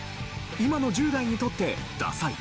今の１０代にとってダサい？